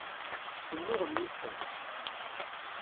Tennuɣem yid-sent?